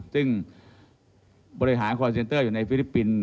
ซึ่งบริหารคอนเซนเตอร์อยู่ในฟิลิปปินส์